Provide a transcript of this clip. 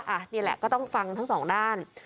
อันนี้แหละก็ต้องฟังทั้งสองด้าน